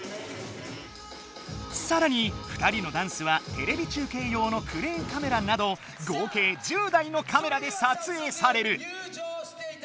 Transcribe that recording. さらに２人のダンスはテレビ中けい用のクレーンカメラなど合計１０台のカメラでさつえいされる。